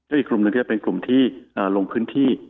อีกกลุ่มนี้เป็นกลุ่มที่ลงพื้นที่